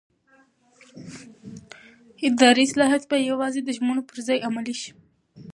اداري اصلاحات باید یوازې د ژمنو پر ځای عملي شي